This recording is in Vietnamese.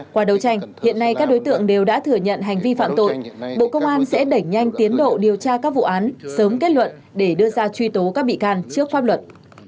qua đấu tranh hiện nay các đối tượng đều đã thừa nhận hành vi phạm tội bộ công an sẽ đẩy nhanh tiến độ điều tra các vụ án sớm kết luận để đưa ra truy tố các bị can trước pháp luật